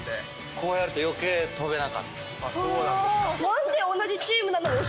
こうやると余計跳べなかった。